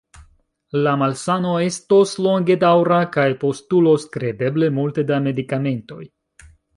La malsano estos longedaŭra kaj postulos kredeble multe da medikamentoj.